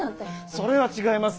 それは違います。